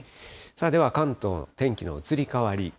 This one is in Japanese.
では、関東の天気の移り変わり。